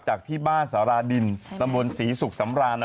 จากที่บ้านสาราดินตำบลศรีศุกร์สำราน